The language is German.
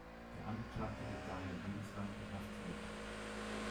Der Angeklagte wird daher lebenslang inhaftiert.